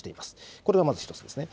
これがまず１つですね。